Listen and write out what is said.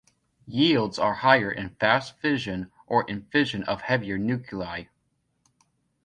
Yields are higher in fast fission or in fission of heavier nuclei.